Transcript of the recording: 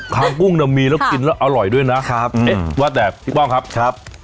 ปุ้งน่ะมีแล้วกินแล้วอร่อยด้วยนะครับเอ๊ะว่าแต่พี่ป้องครับครับ